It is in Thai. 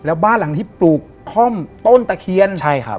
เออนะครับ